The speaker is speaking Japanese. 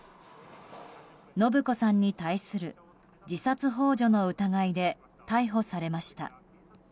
延子さんに対する自殺幇助の疑いで逮捕されました。